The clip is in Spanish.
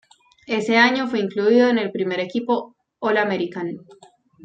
Ese año fue incluido en el primer equipo All-American.